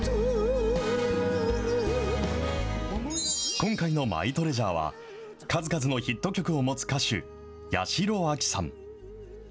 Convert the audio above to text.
今回のマイトレジャーは、数々のヒット曲を持つ歌手、八代亜紀さん。